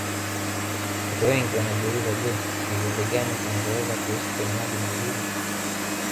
Watu wengi wanajiuliza je ni viumbe gani vinavyoweza kuishi kwenye maji baridi